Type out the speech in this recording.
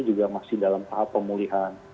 juga masih dalam tahap pemulihan